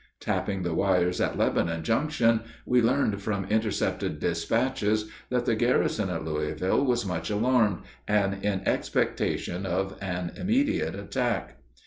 Tapping the wires at Lebanon Junction, we learned from intercepted despatches that the garrison at Louisville was much alarmed, and in expectation of an immediate attack.